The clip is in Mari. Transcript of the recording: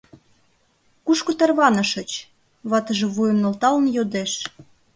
— Кушко тарванышыч? — ватыже вуйым нӧлталын йодеш.